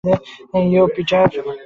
ইয়ো, Peter!